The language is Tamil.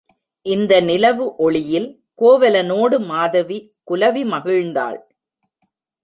இந்த நிலவு ஒளியில் கோவலனோடு மாதவி குலவி மகிழ்ந்தாள்.